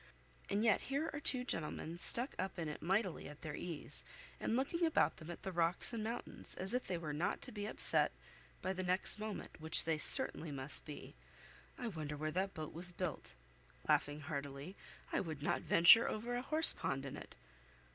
And yet here are two gentlemen stuck up in it mightily at their ease, and looking about them at the rocks and mountains, as if they were not to be upset the next moment, which they certainly must be. I wonder where that boat was built!" (laughing heartily); "I would not venture over a horsepond in it.